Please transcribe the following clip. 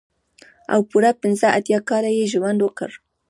او پوره پنځه اتيا کاله يې ژوند وکړ.